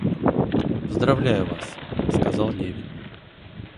Поздравляю вас, — сказал Левин.